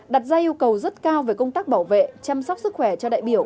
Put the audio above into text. đặt ra yêu cầu rất cao về công tác bảo vệ chăm sóc sức khỏe cho đại biểu